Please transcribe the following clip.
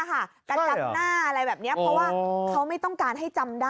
กระจังหน้าอะไรแบบนี้เพราะว่าเขาไม่ต้องการให้จำได้